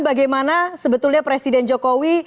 bagaimana sebetulnya presiden jokowi